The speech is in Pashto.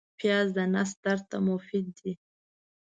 پیاز د نس درد ته مفید دی